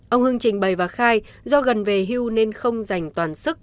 ông hưng trình bày và khai do gần về hưu nên không dành toàn sức